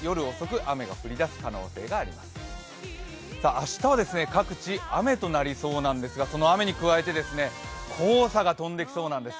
明日は各地、雨になりそうなんですが、その雨に加えて黄砂が飛んできそうなんです。